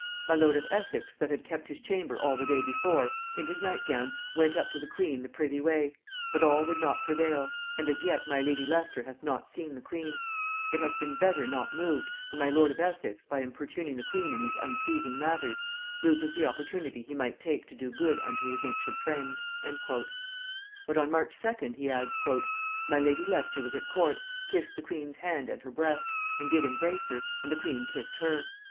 My lord of Essex that had kept his chamber all the day before, in his nightgown went up to the queen the privy way; but all would not prevail, and as yet my lady Leicester hath not seen the queen. It had been better not moved, for my lord of Essex, by importuning the queen in these unpleasing matters, loses the opportunity he might take to do good unto his ancient friends." But on March 2d he adds; "My lady Leicester was at court, kissed the queen's hand and her breast, and did embrace her, and the queen kissed her.